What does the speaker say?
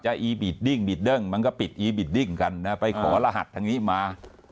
อีบิดดิ้งบิดเดิ้งมันก็ปิดอีบิดดิ้งกันนะไปขอรหัสทางนี้มา